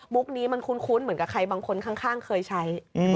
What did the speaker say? นี้มันคุ้นเหมือนกับใครบางคนข้างเคยใช้